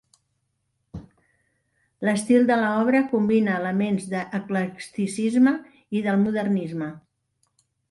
L'estil de l'obra combina elements de l'eclecticisme i del modernisme.